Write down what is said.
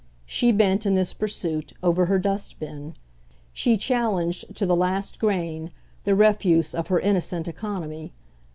She bent, in this pursuit, over her dust bin; she challenged to the last grain the refuse of her innocent economy.